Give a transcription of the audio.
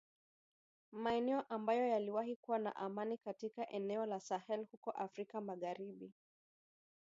maeneo ambayo yaliwahi kuwa na amani katika eneo la Sahel huko Afrika magharibi